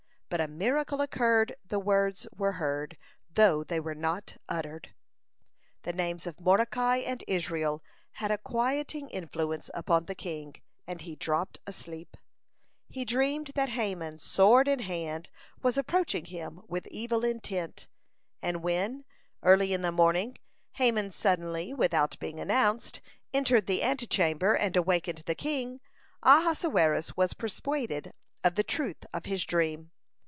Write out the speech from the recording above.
But a miracle occurred the words were heard though they were not uttered! The names of Mordecai and Israel had a quieting influence upon the king, and he dropped asleep. He dreamed that Haman, sword in hand, was approaching him with evil intent, and when, early in the morning, Haman suddenly, without being announced, entered the antechamber and awakened the king, Ahasuerus was persuaded of the truth of his dream.